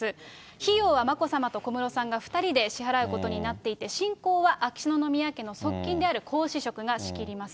費用は眞子さまと小室さんが２人で支払うことになっていて、進行は秋篠宮家の側近である皇嗣職が仕切ります。